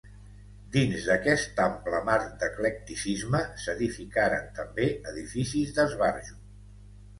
Dins aquest ample marc d'eclecticisme s'edificaren, també, edificis d'esbarjo.